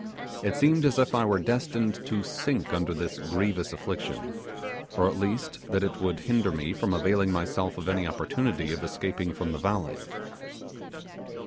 It seemed as if I were destined to sink under this grievous affliction, or at least that it would hinder me from availing myself of any opportunity of escaping from the valley.